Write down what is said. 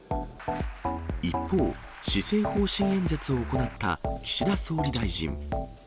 一方、施政方針演説を行った岸田総理大臣。